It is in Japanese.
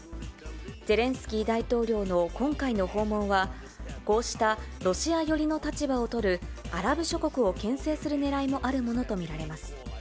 ゼレンスキー大統領の今回の訪問は、こうしたロシア寄りの立場をとるアラブ諸国をけん制するねらいもあるものと見られます。